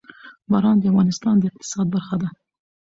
باران د افغانستان د اقتصاد برخه ده.